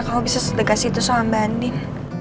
kau bisa sedekat situ sama mbak andin